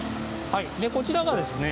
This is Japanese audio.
こちらがですね